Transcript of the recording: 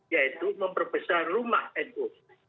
yaitu memperbesar rumah nu